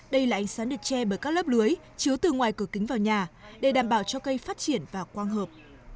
đây là ánh sáng được che bởi các lớp lưới chứa từ ngoài cửa kính vào nhà để đảm bảo cho cây phát triển và quang hợp